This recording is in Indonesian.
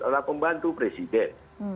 adalah pembantu presiden